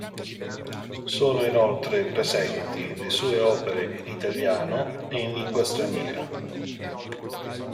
Sono inoltre presenti le sue opere in italiano e in lingua straniera.